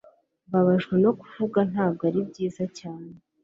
Mbabajwe no kuvuga ntabwo ari byiza cyane